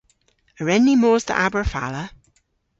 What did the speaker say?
A wren ni mos dhe Aberfala?